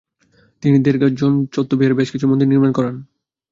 তিনি র্দ্জোগ্স-ছেন বৌদ্ধবিহারে বেশ কিছু মন্দির নির্মাণ করান।